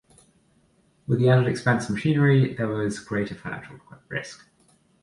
With the added expense of machinery, there was greater financial risk.